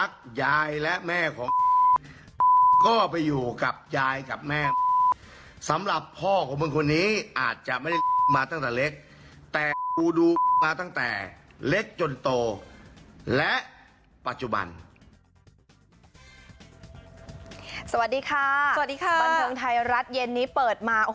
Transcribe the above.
สวัสดีค่ะบททายรัฐเยนนี้เปิดมา